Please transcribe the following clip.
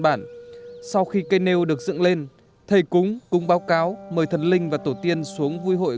bản sau khi cây nêu được dựng lên thầy cúng cũng báo cáo mời thần linh và tổ tiên xuống vui hội